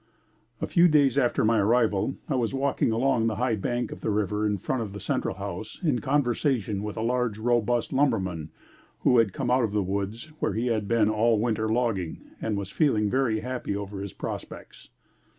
A few days after my arrival, I was walking along the high bank of the river in front of the Central House in conversation with a large robust lumberman who had come out of the woods where he had been all winter logging and was feeling very happy over his prospects.